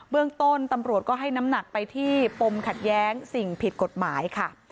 เรื่องต้นตำรวจก็ให้น้ำหนักไปที่ปมขัดแย้งสิ่งผิดกฎหมายค่ะ